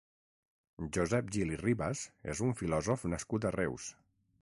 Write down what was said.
Josep Gil i Ribas és un filòsof nascut a Reus.